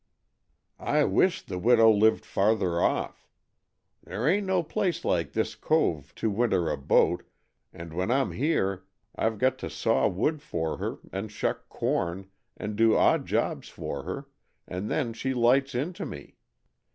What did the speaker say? "I wisht the widow lived farther off. There ain't no place like this cove to winter a boat, and when I'm here I've got to saw wood for her, and shuck corn, and do odd jobs for her, and then she lights into me.